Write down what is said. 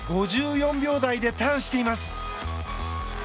５４秒台でターンしています！